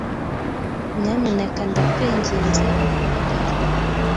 Nyamuneka ndakwinginze umpamagare.